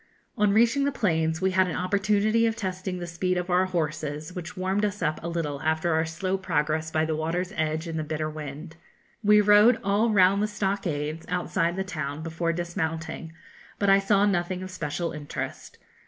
On reaching the plains we had an opportunity of testing the speed of our horses, which warmed us up a little after our slow progress by the water's edge in the bitter wind. We rode all round the stockades, outside the town, before dismounting; but I saw nothing of special interest.